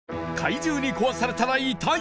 怪獣に壊されたら痛い！